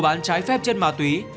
bán trái phép trên ma túy